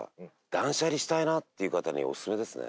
断捨離したいなっていう方にはオススメですね。